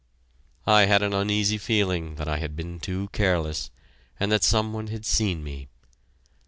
I had an uneasy feeling that I had been too careless, and that some one had seen me.